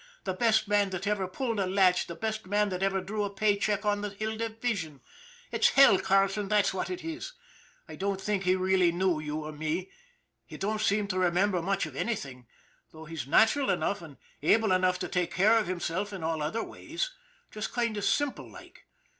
" The best man that ever pulled a latch, the best man that ever drew a pay check on the Hill Division. It's hell, Carleton, that's what it is. I don't think he really knew you or me. He don't seem to remember much of anything, though he's natural enough and able enough to take care of himself in all other ways. Just kind of simple like.